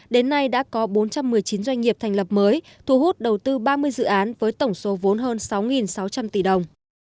đến nay đã có bốn trăm một mươi chín doanh nghiệp thành lập mới thu hút đầu tư ba mươi dự án với tổng số vốn hơn sáu sáu trăm linh tỷ đồng